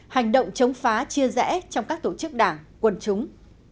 hành động chống phá chia rẽ trong các tổ chức đảng quân chúng